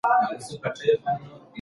خداي پامان.